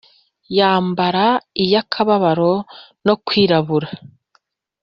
yambara iy’akababaro no kwirabura;